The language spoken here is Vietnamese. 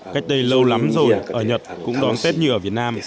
cách đây lâu lắm rồi ở nhật cũng đón tết như ở việt nam